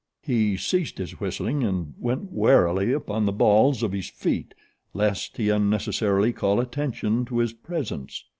He ceased his whistling and went warily upon the balls of his feet, lest he unnecessarily call attention to his presence.